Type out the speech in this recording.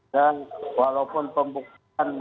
dan walaupun pembuktian